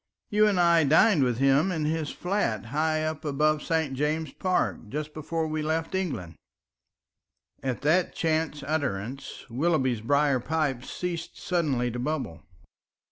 "You and I dined with him in his flat high up above St. James's Park just before we left England." And at that chance utterance Willoughby's briar pipe ceased suddenly to bubble.